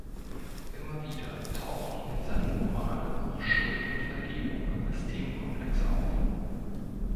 Immer wieder tauchen in seinen Romanen auch Schuld und Vergebung als Themenkomplexe auf.